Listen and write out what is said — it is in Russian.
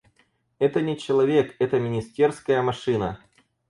Это не человек, это министерская машина.